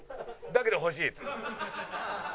「だけど欲しい」